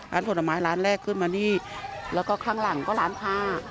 ผลไม้ร้านแรกขึ้นมานี่แล้วก็ข้างหลังก็ร้านผ้า